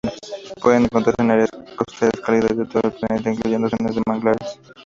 Pueden encontrarse en áreas costeras cálidas de todo el planeta, incluyendo zonas de manglares.